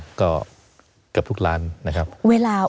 ก็เกือบทุกล้านนะครับ